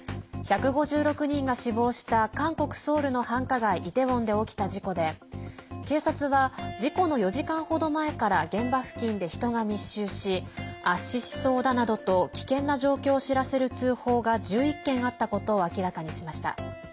１５６人が死亡した韓国ソウルの繁華街イテウォンで起きた事故で警察は事故の４時間ほど前から現場付近で人が密集し圧死しそうだなどと危険な状況を知らせる通報が１１件あったことを明らかにしました。